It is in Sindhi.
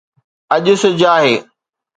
اڄ سج آهي